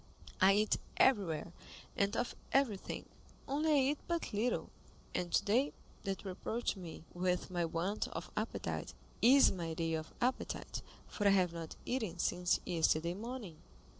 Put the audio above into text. I eat everywhere, and of everything, only I eat but little; and today, that you reproach me with my want of appetite, is my day of appetite, for I have not eaten since yesterday morning."